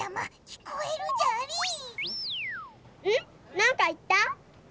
なんかいった？